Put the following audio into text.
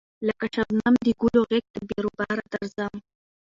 لکه شبنم د گلو غېږ ته بې رویباره درځم